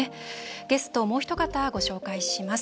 ゲスト、もうひと方ご紹介します。